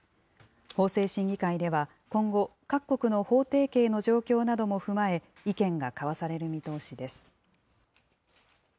法制審議会では今後、各国の法定刑の状況なども踏まえ、意見が交わされる見通しです。